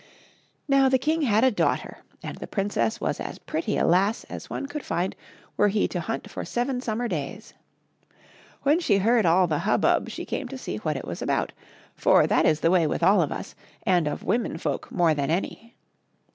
Now the king had a daughter, and the princess was as pretty a lass as one could find were he to hunt for seven summer days. When she heard all the hubbub she came to see what it was about, for that is the way with all of us, and of women folk more than any.